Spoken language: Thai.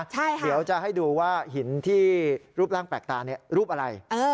เดี๋ยวจะให้ดูว่าหินที่รูปร่างแปลกตารูปอะไร